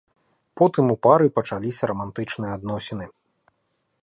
Потым у пары пачаліся рамантычныя адносіны.